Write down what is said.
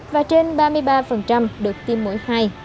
và trên ba mươi ba được tiêm mũi hai